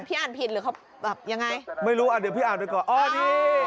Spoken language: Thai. อ่านผิดหรือเขาแบบยังไงไม่รู้อ่ะเดี๋ยวพี่อ่านไปก่อนอ๋อนี่